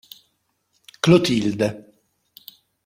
Clotilde.